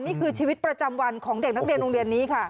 นี่คือชีวิตประจำวันของเด็กนักเรียนโรงเรียนนี้ค่ะ